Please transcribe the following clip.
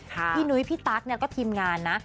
พี่หนุ๊ยพี่ตั๊กเนี่ยก็ทีมงานนะ